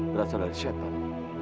berasal dari syaitan